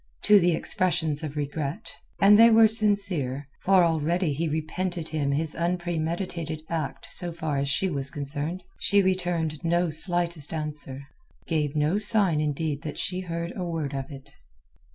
To the expressions of regret—and they were sincere, for already he repented him his unpremeditated act so far as she was concerned—she returned no slightest answer, gave no sign indeed that she heard a word of it.